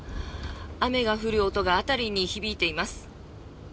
雨が降る音が辺りに響いています。